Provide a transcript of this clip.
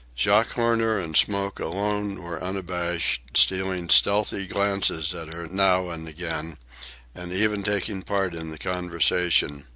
Jock Horner and Smoke alone were unabashed, stealing stealthy glances at her now and again, and even taking part in the conversation.